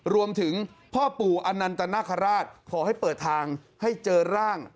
รวมถึงพ่อปู่อนันตนาคาราชขอให้เปิดทางให้เจอร่าง